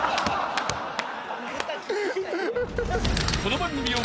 ［この番組を］